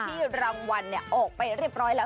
รางวัลออกไปเรียบร้อยแล้ว